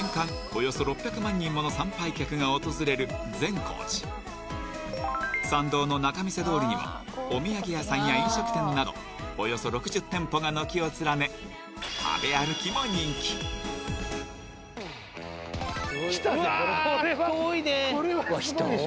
およそ６００万人もの参拝客が訪れる善光寺参道の仲見世通りにはお土産屋さんや飲食店などおよそ６０店舗が軒を連ね食べ歩きも人気うわー人多いね！